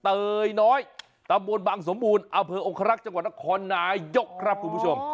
เตยน้อยตำบลบังสมบูรณ์อำเภอองครักษ์จังหวัดนครนายกครับคุณผู้ชม